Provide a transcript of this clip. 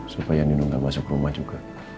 supaya nino nggak masuk rumah juga